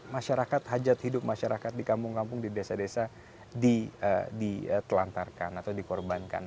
masyarakat hajat hidup masyarakat di kampung kampung di desa desa ditelantarkan atau dikorbankan